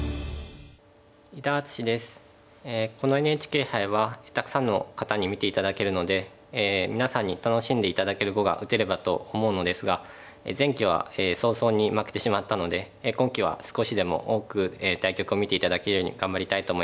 このＮＨＫ杯はたくさんの方に見て頂けるので皆さんに楽しんで頂ける碁が打てればと思うのですが前期は早々に負けてしまったので今期は少しでも多く対局を見て頂けるように頑張りたいと思います。